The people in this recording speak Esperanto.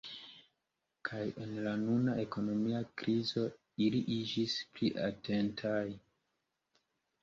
Kaj en la nuna ekonomia krizo ili iĝis pli atentataj.